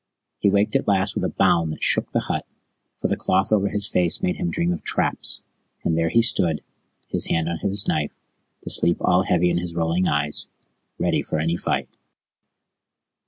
He waked at last with a bound that shook the hut, for the cloth over his face made him dream of traps; and there he stood, his hand on his knife, the sleep all heavy in his rolling eyes, ready for any fight.